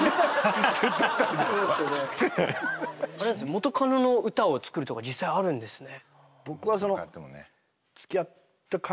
元カノの歌を作るとか実際あるんですね？